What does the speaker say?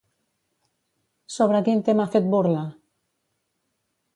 Sobre quin tema ha fet burla?